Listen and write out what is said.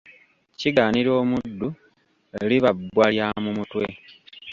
Kigaanira omuddu liba bbwa lya mu mutwe.